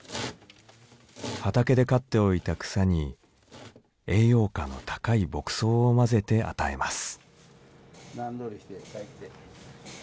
畑で刈っておいた草に栄養価の高い牧草を混ぜて与えます。